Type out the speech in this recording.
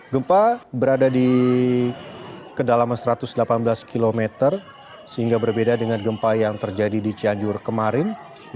gempa berada di kedalaman satu ratus delapan belas km sehingga berbeda dengan gempa yang terjadi di cianjur kemarin